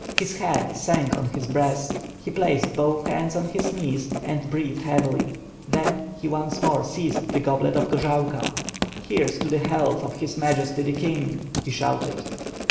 His head sank on his breast, he placed both hands on his knees and breathed heavily. Then, he once more seized the goblet of gorzalka, "Here's to the health of His Majesty the King," he shouted.